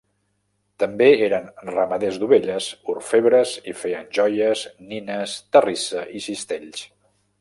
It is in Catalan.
També eren ramaders d'ovelles, orfebres i feien joies, nines, terrissa i cistells.